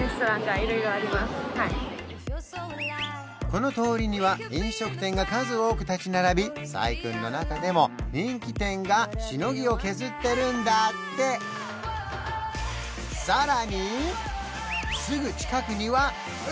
この通りには飲食店が数多く立ち並びサイクンの中でも人気店がしのぎを削ってるんだってすぐ近くには海！